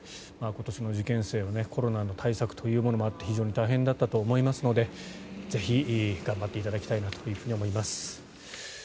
今年の受験生はコロナの対策もあって非常に大変だったと思いますのでぜひ、頑張っていただきたいなと思います。